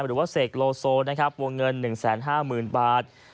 หรือว่าเสกโลโซนะครับวงเงิน๑๕๐๐๐บาท